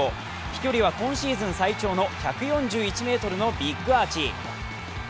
飛距離は今シーズン最長の１４１ｍのビッグアーチ。